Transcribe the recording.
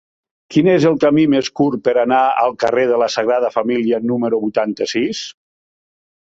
Quin és el camí més curt per anar al carrer de la Sagrada Família número vuitanta-sis?